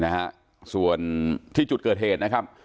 ในจุดเกิดเหตุนะครับ